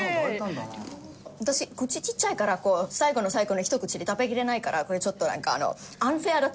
私口ちっちゃいから最後の最後の一口で食べきれないからこれちょっとなんかアンフェアだと思いますけど。